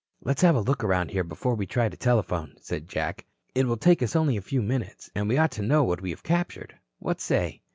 "Let's have a look around here before we try to telephone," said Jack. "It will take us only a few minutes. And we ought to know what we have captured. What say?"